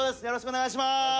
よろしくお願いします